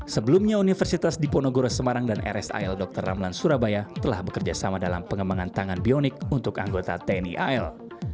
sebelumnya universitas diponegoro semarang dan rsal dr ramlan surabaya telah bekerjasama dalam pengembangan tangan bionik untuk anggota tni al